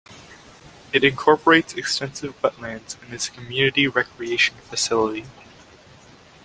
It incorporates extensive wetlands and is a community recreation facility.